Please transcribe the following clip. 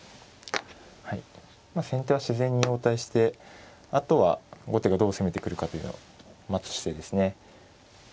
まあ先手は自然に応対してあとは後手がどう攻めてくるかというのを待つ姿勢ですね。